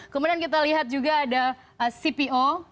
kemudian kita lihat juga ada cpo